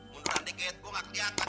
munduran dikit gue gak kelihatan